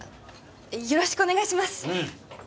よろしくお願いします。